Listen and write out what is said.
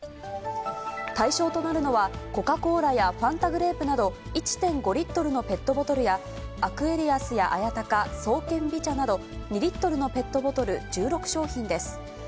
対象となるのは、コカ・コーラやファンタグレープなど１．５リットルのペットボトルや、アクエリアスや綾鷹、爽健美茶など２リットルのペットボトル１６商品です。